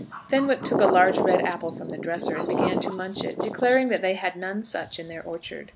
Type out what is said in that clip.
Fenwick took a large, red apple from the dresser, and began to munch, it, declaring that they had none such in their orchard.